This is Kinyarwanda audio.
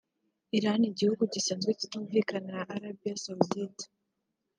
Iran igihugu gisanzwe kitumvikana na Arabia Saudite